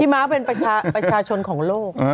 พี่ไหม้เป็นประชาชนของโลก